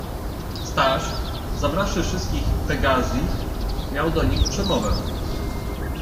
Staś, zebrawszy wszystkich pagazich, miał do nich przemowę.